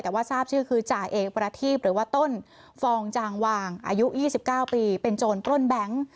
แต่ว่าทราบชื่อคือจ่าเอกประทีบหรือว่าต้นฟองจางวางอายุ๒๙ปีเป็นโจรปล้นแบงค์